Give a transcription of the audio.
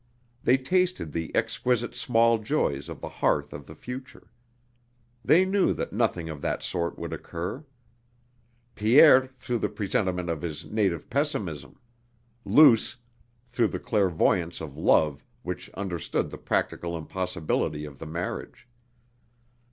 They tasted the exquisite small joys of the hearth of the future.... They knew that nothing of that sort would occur Pierre through the presentiment of his native pessimism Luce through the clairvoyance of love which understood the practical impossibility of the marriage....